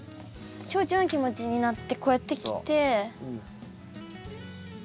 チョウチョの気持ちになってこうやって来て。